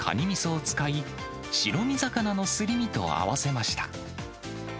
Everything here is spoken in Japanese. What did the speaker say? みそを使い、白身魚のすり身と合わせました。